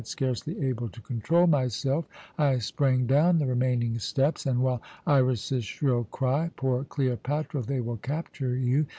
Scarcely able to control myself, I sprang down the remaining steps, and while Iras's shrill cry, 'Poor Cleopatra, they will capture you!'